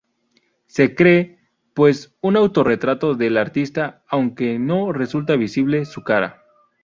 Se cree, pues, un autorretrato del artista, aunque no resulta visible su cara.